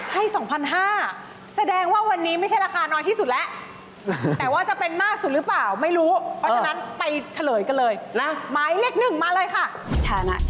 ให้๒๕๐๐บาทแสดงว่าวันนี้ไม่ใช่ราคาน้อยที่สุดแล้วแต่ว่าจะเป็นมากสุดหรือเปล่าไม่รู้เพราะฉะนั้นไปเฉลยกันเลยนะหมายเลข๑มาเลยค่ะ